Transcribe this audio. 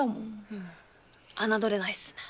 うん侮れないっすね。